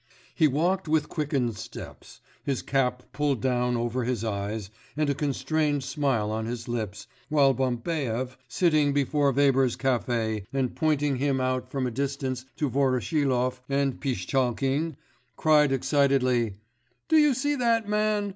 He walked with quickened steps, his cap pulled down over his eyes, and a constrained smile on his lips, while Bambaev, sitting before Weber's café, and pointing him out from a distance to Voroshilov and Pishtchalkin, cried excitedly: 'Do you see that man?